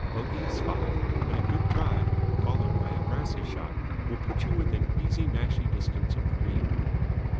Bogey is five, and a good drive, followed by a brassey shot, will put you within easy mashie distance of the green.